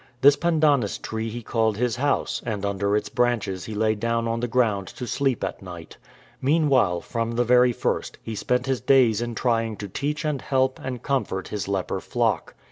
This pandanus tree he called his house, and under its branches he lay down on the ground to sleep at night. Mean while, from the very first, he spent his days in trying to teach and help and comfort his leper flock.